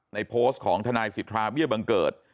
โพสต์ของทนายสิทธาเบี้ยบังเกิด